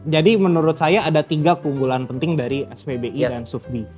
jadi menurut saya ada tiga keunggulan penting dari spbi dan sufbi